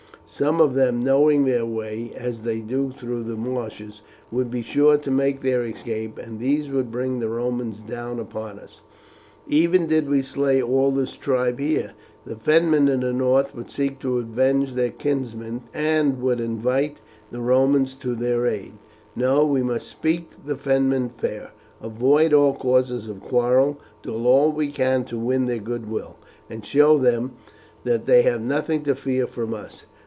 Some of them, knowing their way as they do through the marshes, would be sure to make their escape, and these would bring the Romans down upon us. Even did we slay all this tribe here, the Fenmen in the north would seek to avenge their kinsmen, and would invite the Romans to their aid. No, we must speak the Fenmen fair, avoid all cause of quarrel, do all we can to win their goodwill, and show them that they have nothing to fear from us.